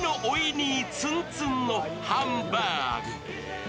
にーツンツンのハンバーグ。